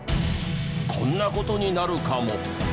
こんな事になるかも。